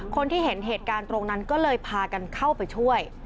คนที่เห็นเหตุการณ์ตรงนั้นก็เลยพากันเข้าไปช่วย